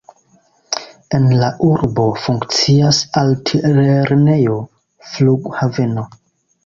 En la urbo funkcias altlernejo, flughaveno.